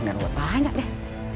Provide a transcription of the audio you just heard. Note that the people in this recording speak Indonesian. nanti gue tanya deh